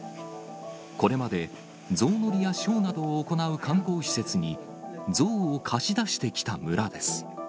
これまでゾウ乗りやショーなどを行う観光施設に、ゾウを貸し出してきた村です。